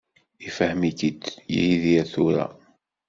Ifhem-ik-id Yuba tura.